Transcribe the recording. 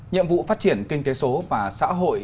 nhiệm vụ phát triển kinh tế số và xã hội